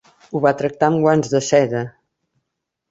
Ho va tractar amb guants de seda.